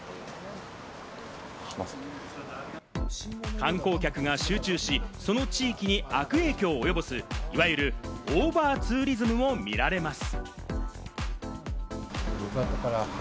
観光客が集中し、その地域に悪影響を及ぼす、いわゆるオーバーツーリズムもみられます。